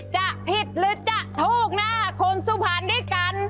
จะผิดหรือจะถูกนะคนสุพรรณด้วยกัน